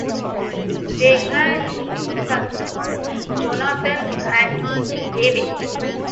They had two sons, Jonathan and David.